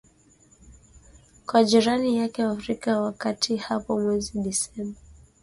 kwa jirani yake wa Afrika ya kati hapo mwezi Disemba